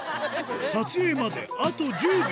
撮影まであと１０秒。